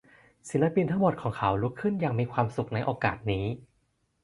ศิลปินทั้งหมดของเขาลุกขึ้นอย่างมีความสุขในโอกาสนี้